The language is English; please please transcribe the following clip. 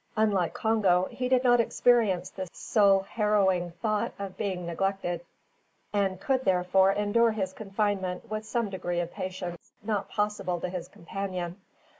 Unlike Congo, he did not experience the soul harrowing thought of being neglected, and could therefore endure his confinement with some degree of patience not possible to his companion.